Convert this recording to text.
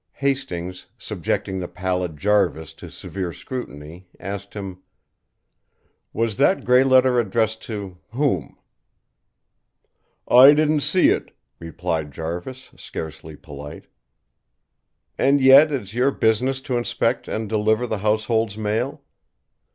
Hastings, subjecting the pallid Jarvis to severe scrutiny, asked him: "Was that grey letter addressed to whom?" "I didn't see it," replied Jarvis, scarcely polite. "And yet, it's your business to inspect and deliver the household's mail?"